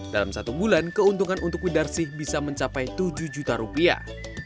dalam satu bulan keuntungan untuk widarsih bisa mencapai tujuh juta rupiah